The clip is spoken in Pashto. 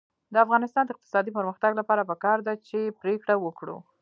د افغانستان د اقتصادي پرمختګ لپاره پکار ده چې پرېکړه وکړو.